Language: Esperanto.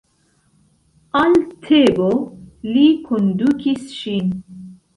Al Tebo li kondukis ŝin.